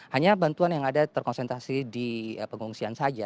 hanya bantuan yang ada terkonsentrasi di pengungsian saja